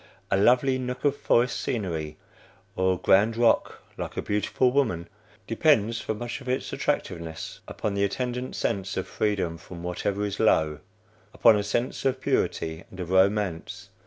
A lovely nook of forest scenery, or a grand rock, like a beautiful woman, depends for much of its attractiveness upon the attendant sense of freedom from whatever is low; upon a sense of purity and of romance.